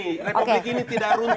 republik ini tidak runtuh